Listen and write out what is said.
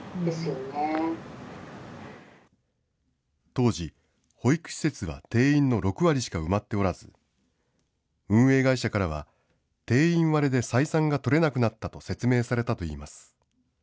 当時、保育施設は定員の６割しか埋まっておらず、運営会社からは、定員割れで採算が取れなくなったと説明されたといいます。